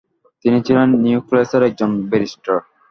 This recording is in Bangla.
তিনি ছিলেন নিউক্যাসলের একজন ব্যরিস্টার।